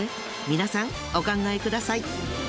皆さんお考えください。